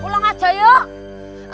pulang aja yuk